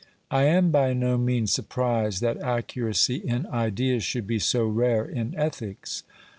I am by no means surprised that accuracy in ideas should be so rare in ethics.